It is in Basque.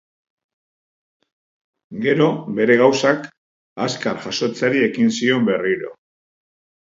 Gero, bere gauzak azkar jasotzeari ekin zion berriro.